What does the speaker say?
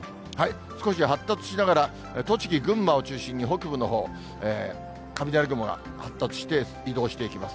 少し発達しながら、栃木、群馬を中心に北部のほう、雷雲が発達して、移動していきます。